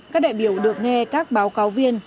các đại biểu được nghe các báo cáo viên